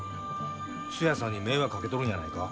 ツヤさんに迷惑かけとるんやないか？